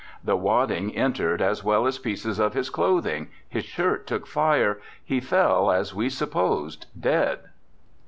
The wadding entered, as well as pieces of his clothing; his shirt took fire; he fell, as we supposed, dead.'